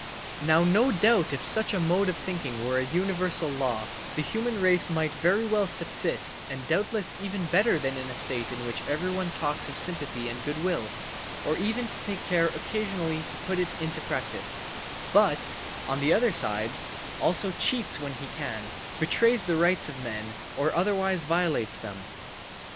Now no doubt if such a mode of thinking were a universal law, the human race might very well subsist and doubtless even better than in a state in which everyone talks of sympathy and good will, or even takes care occasionally to put it into practice, but, on the other side, also cheats when he can, betrays the rights of men, or otherwise violates them.